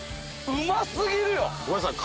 うま過ぎるよ。